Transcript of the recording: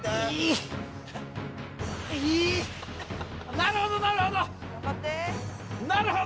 なるほどなるほど！